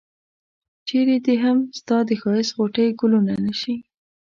چرې دي هم ستا د ښایست غوټۍ ګلونه نه شي.